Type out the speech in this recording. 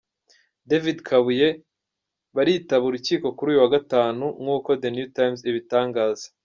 David Kabuye, baritaba urukiko kuri uyu wa Gatanu nk’uko The New Times ibitangaza.